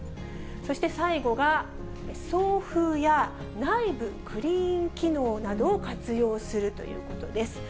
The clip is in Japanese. そして最後が、送風や内部クリーン機能などを活用するということです。